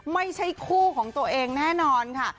ไม่ใช่คู่ของตัวเองแน่นอนค่ะ